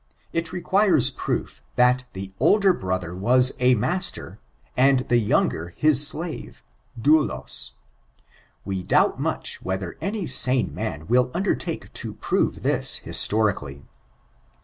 It requires proo( that the older brother was a master, aad the jounger his slave, douUm, We doubt much whether any sane man vrill uhdeitake to prove this historical! j.